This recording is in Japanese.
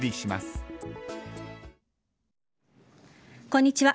こんにちは。